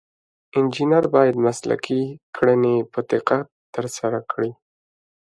انجینر باید مسلکي کړنې په دقت ترسره کړي.